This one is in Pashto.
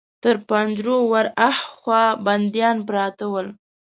تر پنجرو ور هاخوا بنديان پراته ول.